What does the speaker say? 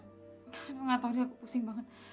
nggak tau deh aku pusing banget